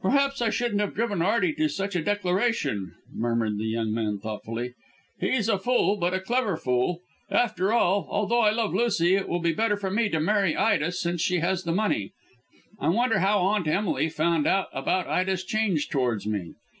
"Perhaps I shouldn't have driven Arty to such a declaration," murmured the young man thoughtfully. "He's a fool, but a clever fool. After all, although I love Lucy it will be better for me to marry Ida since she has the money. I wonder how Aunt Emily found out about Ida's change towards me?